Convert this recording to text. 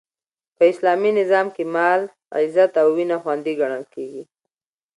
په اسلامي نظام کښي مال، عزت او وینه خوندي ګڼل کیږي.